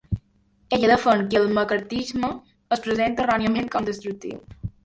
Ella defèn que el Maccarthisme es presenta erròniament com destructiu.